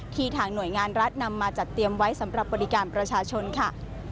ทางหน่วยงานรัฐนำมาจัดเตรียมไว้สำหรับบริการประชาชนค่ะ